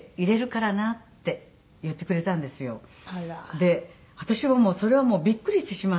で私はもうそれはびっくりしてしまって。